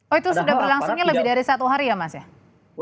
oh itu sudah berlangsungnya lebih dari satu hari ya mas ya